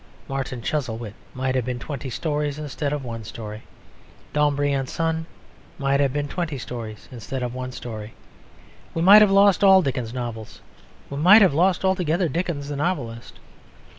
Martin Chuzzlewit might have been twenty stories instead of one story. Dombey and Son might have been twenty stories instead of one story. We might have lost all Dickens's novels; we might have lost altogether Dickens the novelist.